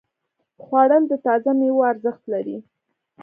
خوړل د تازه ميوو ارزښت لري